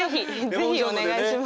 是非お願いします。